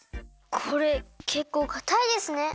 これけっこうかたいですね。